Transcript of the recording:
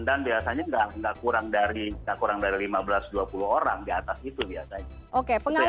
dan biasanya tidak kurang dari lima belas dua puluh orang di atas itu biasanya